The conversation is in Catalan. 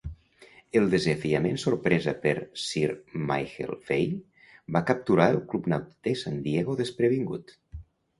El desafiament sorpresa per Sir Michael Fay va capturar el Club Nàutic de San Diego desprevingut.